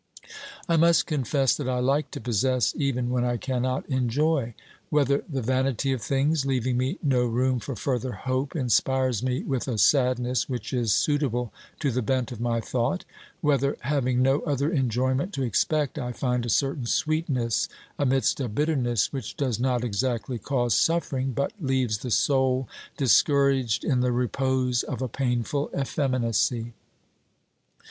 I must confess that I like to possess even when I cannot enjoy : whether the vanity of things, leaving me no room for further hope, inspires me with a sadness which is suitable to the bent of ray thought; whether, having no other enjoyment to expect, I find a certain sweetness amidst a bitterness which does not exactly cause suff'ering, but leaves the soul discouraged in the repose of a painful effeminacy.